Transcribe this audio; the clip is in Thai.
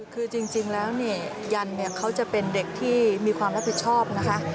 คือจริงแล้วยันเขาจะเป็นเด็กที่มีความรับผิดชอบนะคะ